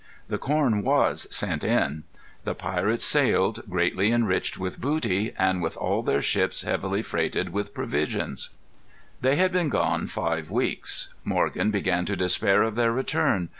The corn was sent in. The pirates sailed, greatly enriched with booty, and with all their ships heavily freighted with provisions. They had been gone five weeks. Morgan began to despair of their return.